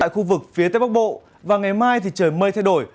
khu vực phía tây bắc bộ và ngày mai thì trời mây thay đổi